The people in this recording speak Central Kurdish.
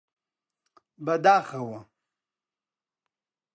بەداخەوە!